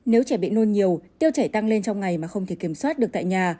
nếu trẻ bị nôn nhiều tiêu chảy tăng lên trong ngày mà không thể kiểm soát được tại nhà